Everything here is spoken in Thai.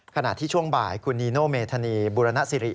ขณะที่ช่วงบ่ายคุณนีโนเมธานีบุรณสิริ